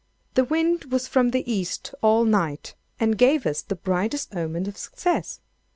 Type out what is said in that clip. The wind was from the East all night, and gave us the brightest omen of success.